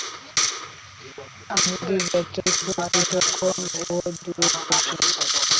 ইহুদী জাতটাই খুবই বিচক্ষণ এবং দূরদর্শী।